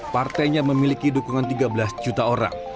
partainya memiliki dukungan tiga belas juta orang